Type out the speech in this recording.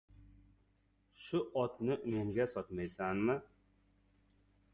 — Shu otni menga sotmaysanmi?